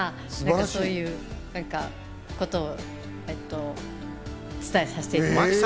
そういうことをお伝えさせていただいてます。